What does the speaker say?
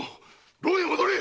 牢へ戻れ！